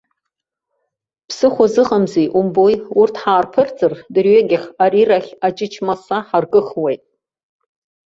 Ԥсыхәа зыҟамзеи умбои, урҭ ҳаарԥырҵыр дырҩегьых арирахь аҷыҷмаса ҳаркыхуеит.